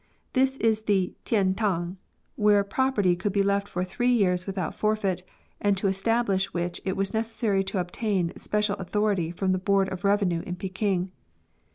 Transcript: This is the tien tang, where pro perty could be left for three years without forfeit, and to establish which it was necessary to obtain special authority from the Board of Eevenue in Peking.